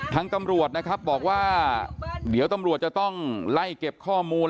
ตำรวจนะครับบอกว่าเดี๋ยวตำรวจจะต้องไล่เก็บข้อมูล